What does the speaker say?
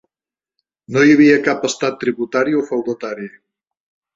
No hi havia cap estat tributari o feudatari.